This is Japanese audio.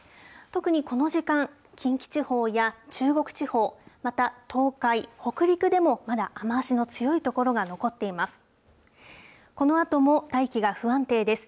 特にこの時間、近畿地方や中国地方、また東海、北陸でも、まだ雨足の強い所が残っています。